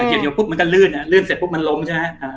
เหนียวปุ๊บมันก็ลื่นลื่นเสร็จปุ๊บมันล้มใช่ไหม